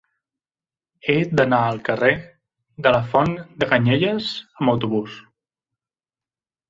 He d'anar al carrer de la Font de Canyelles amb autobús.